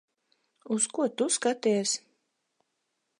Uz ko tu skaties?